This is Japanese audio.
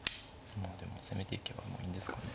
まあでも攻めていけば強引ですかね。